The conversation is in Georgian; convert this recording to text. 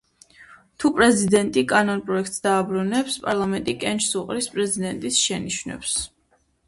თუ პრეზიდენტი კანონპროექტს დააბრუნებს, პარლამენტი კენჭს უყრის პრეზიდენტის შენიშვნებს